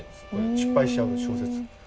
失敗しちゃう小説。